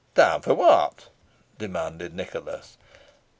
"Time for what?" demanded Nicholas.